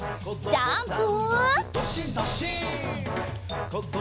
ジャンプ！